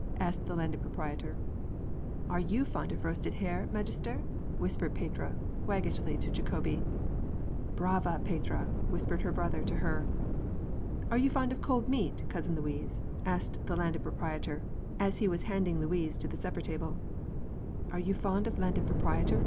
asked the Landed Proprietor. "Are you fond of roasted hare, Magister?" whispered Petrea waggishly to Jacobi. "Brava, Petrea!" whispered her brother to her. "Are you fond of cold meat, Cousin Louise?" asked the Landed Proprietor, as he was handing Louise to the supper table. "Are you fond of Landed Proprietor?"